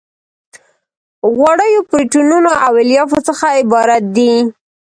غوړیو پروتینونو او الیافو څخه عبارت دي.